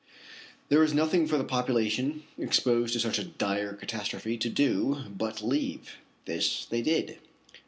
There was nothing for the population exposed to such a dire catastrophe to do but leave. This they did.